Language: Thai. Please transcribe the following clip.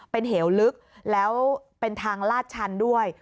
เป็นเหวลึกแล้วเป็นทางลาดชันด้วย